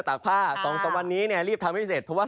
ตากผ้า๒๓วันนี้เนี่ยรีบทำให้เสร็จเพราะว่า